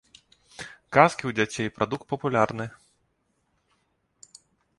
Казкі ў дзяцей прадукт папулярны.